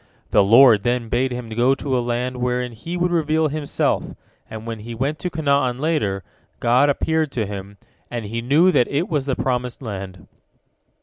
The Lord then bade him go to a land wherein He would reveal Himself, and when he went to Canaan later, God appeared to him, and he knew that it was the promised land.